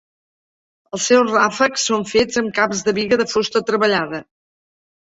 Els seus ràfecs són fets amb caps de biga de fusta treballada.